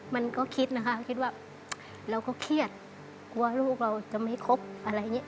มันก็คิดนะคะคิดว่าเราก็เครียดกลัวลูกเราจะไม่คบอะไรอย่างนี้